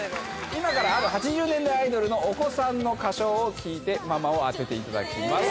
今からある８０年代アイドルのお子さんの歌唱を聴いてママを当てていただきます。